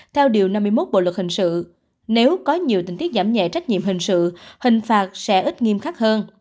theo điều năm mươi một bộ luật hình sự nếu có nhiều tình tiết giảm nhẹ trách nhiệm hình sự hình phạt sẽ ít nghiêm khắc hơn